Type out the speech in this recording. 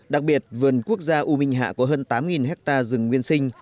đặc biệt vườn quốc gia u minh hạ có hơn tám hectare rừng nguyên sinh